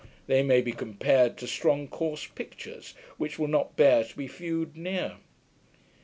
They may be compared to strong coarse pictures, which will not bear to be viewed near.